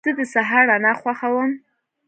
زه د سهار رڼا خوښوم.